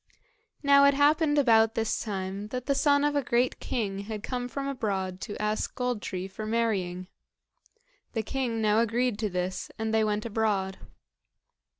Now it happened about this time that the son of a great king had come from abroad to ask Gold tree for marrying. The king now agreed to this, and they went abroad.